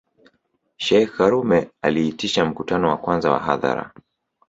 Sheikh karume aliitisha mkutano wa kwanza wa hadhara